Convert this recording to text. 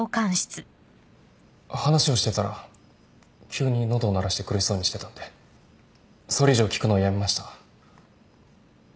話をしてたら急に喉を鳴らして苦しそうにしてたんでそれ以上聞くのをやめました。